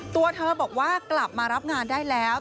ตัวเธอบอกว่ากลับมารับงานได้แล้ว